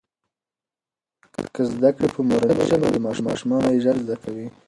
که زده کړې په مورنۍ ژبه وي نو ماشومان یې ژر زده کوي.